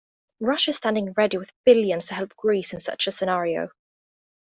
Russia is standing ready with billions to help Greece in such a scenario.